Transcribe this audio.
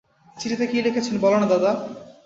চিঠিতে কী লিখেছেন বলো-না দাদা।